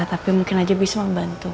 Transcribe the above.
tapi mungkin aja bisa membantu